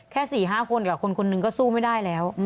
แค่๔๕คนกับคนคนหนึ่งก็สู้ไม่ได้แล้ว